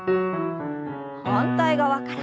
反対側から。